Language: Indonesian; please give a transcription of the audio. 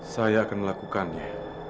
saya akan melakukannya